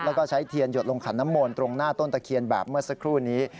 แล้วก็ใช้เทียนหยดลงขันน้ำมนต์ตรงหน้าต้นตะเคียนแบบเมื่อสักครู่นี้